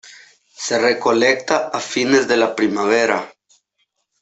Se recolecta a fines de la primavera.